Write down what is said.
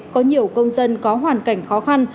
có nhiều công dân có hoàn cảnh khó khăn